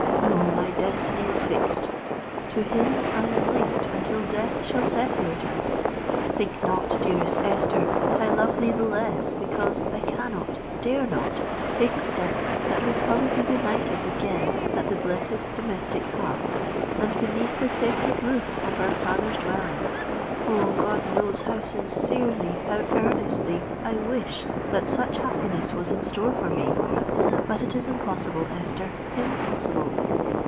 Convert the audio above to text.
No: my destiny is fixed; to him I am linked until death shall separate us! Think not, dearest Esther, that I love thee the less because I cannot, dare not, take a step that would probably unite us again at the blessed domestic hearth, and beneath the sacred roof of our father's dwelling. Oh! God knows how sincerely, how earnestly, I wish that such happiness was in store for me! But it is impossible, Esther,—impossible!"